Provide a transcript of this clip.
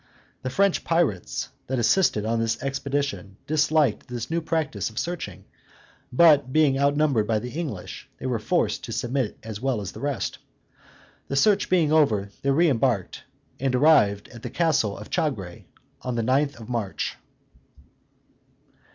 The French pirates that assisted on this expedition disliked this new practice of searching; but, being outnumbered by the English, they were forced to submit as well as the rest. The search being over, they reëmbarked, and arrived at the castle of Chagre on the 9th of March.